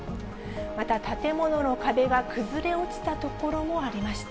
また建物の壁が崩れ落ちた所もありました。